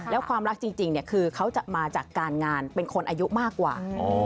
แล้วความรักจริงคือเขาจะมาจากการงานเป็นคนอายุมากกว่า